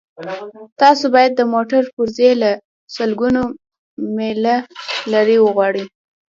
تاسو باید د موټر پرزې له سلګونه میله لرې وغواړئ